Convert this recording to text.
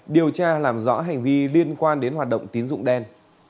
điều tra làm rõ hành vi liên quan đến hoạt động tín dụng đen